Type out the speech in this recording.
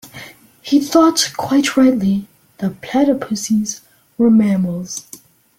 He thought, quite rightly, that platypuses were mammals.